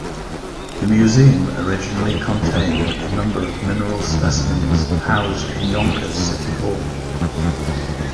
The museum originally contained a number of mineral specimens housed in Yonkers City Hall.